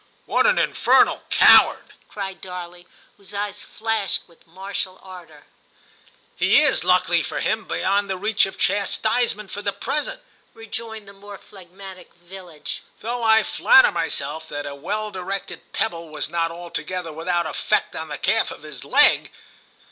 * What an infernal coward !* cried Darley, whose eyes flashed with martial ardour. * He is, luckily for him, beyond the reach of chastisement for the present,' rejoined the more phlegmatic Villidge ;' though I flatter myself that a well directed pebble was not VI TIM 137 altogether without effect on the calf of his leg.